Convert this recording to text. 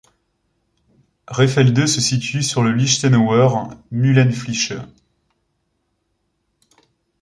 Rehfelde se situe sur le Lichtenower Mühlenfließ.